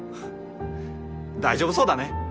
大丈夫そうだね！